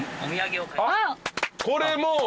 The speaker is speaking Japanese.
これもう。